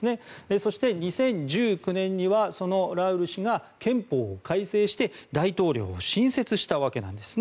そして、２０１９年にはそのラウル氏が憲法を改正して大統領を新設したわけなんですね。